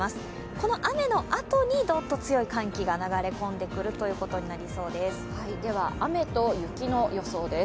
この雨のあとにドッと強い寒気が流れ込んでくることになりそうです。